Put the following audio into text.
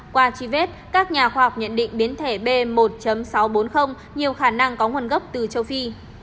qua truy vết các nhà khoa học nhận định biến thể b một sáu trăm bốn mươi nhiều khả năng có nguồn gốc từ châu phi